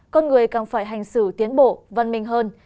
con người càng phải hành xử tiến bộ văn minh hơn